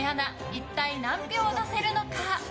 一体、何秒出せるのか？